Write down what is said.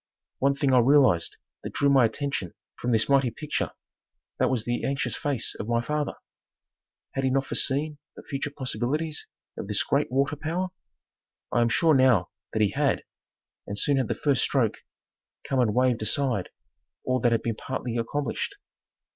One thing I realized that drew my attention from this mighty picture, that was the anxious face of my father. Had he not foreseen the future possibilities of this great water power? I am sure now that he had, and soon had the first stroke come and waived aside all that had been partly accomplished.